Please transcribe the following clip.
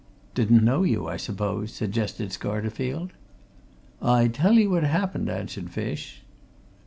"Didn't know you, I suppose?" suggested Scarterfield. "I tell 'ee what happened," answered Fish.